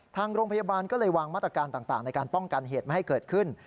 ทางโรงพยาบาลก็เลยวางมาตรการต่างในการป้องกันเหตุไม่ให้เกิดขึ้น